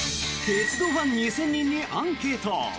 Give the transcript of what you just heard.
鉄道ファン２０００人にアンケート。